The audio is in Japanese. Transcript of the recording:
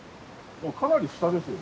かなり下ですよね。